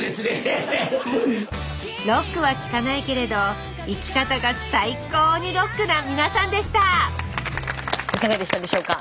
ロックは聴かないけれど生き方が最高にロックな皆さんでしたいかがでしたでしょうか？